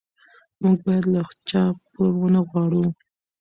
موږ باید له چا پور ونه غواړو.